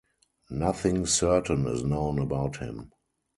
Nothing certain is known about him.